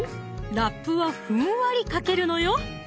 ラップはふんわりかけるのよ